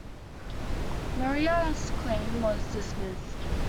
Maria's claim was dismissed.